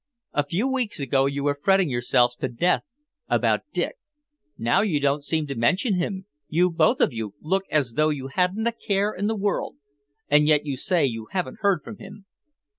A few weeks ago you were fretting yourselves to death about Dick. Now you don't seem to mention him, you both of you look as though you hadn't a care in the world, and yet you say you haven't heard from him.